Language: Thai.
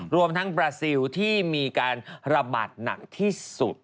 รวมทั้งบราซิลที่มีการระบาดหนักที่สุด